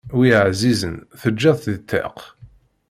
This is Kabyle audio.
Wi εzizen teǧǧiḍ-t di ṭṭiq